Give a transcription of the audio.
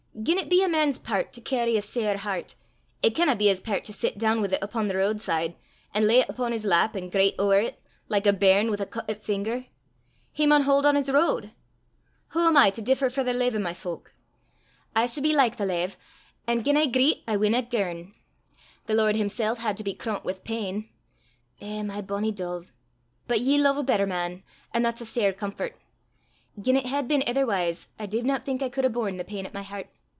Gien it be a man's pairt to cairry a sair hert, it canna be his pairt to sit doon wi' 't upo' the ro'd side, an' lay 't upo' his lap, an' greit ower 't, like a bairn wi' a cuttit finger: he maun haud on his ro'd. Wha am I to differ frae the lave o' my fowk! I s' be like the lave, an' gien I greit I winna girn. The Lord himsel' had to be croont wi' pain. Eh, my bonnie doo! But ye lo'e a better man, an' that's a sair comfort! Gien it had been itherwise, I div not think I could hae borne the pain at my hert.